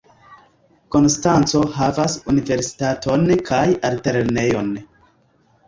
Konstanco havas universitaton kaj altlernejon.